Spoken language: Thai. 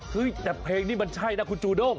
แต่เพลงนี้มันใช่นะคุณจูด้ง